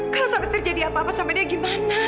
kalau sampai terjadi apa apa sampai dia gimana